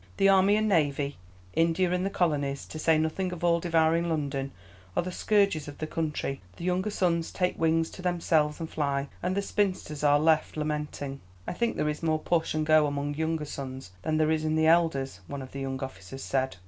The army and navy, India and the colonies, to say nothing of all devouring London, are the scourges of the country; the younger sons take wings to themselves and fly, and the spinsters are left lamenting." "I think there is more push and go among younger sons than there is in the elders," one of the young officers said.